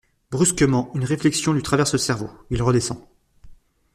Brusquement une réflexion lui traverse le cerveau, il redescend.